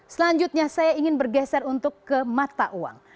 selanjutnya saya ingin bergeser untuk ke mata uang